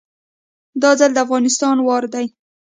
دا ځل د افغانستان وار دی